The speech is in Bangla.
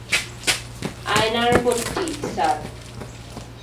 আয়নার্পট্টি, স্যার।